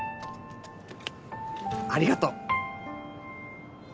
ありがとう！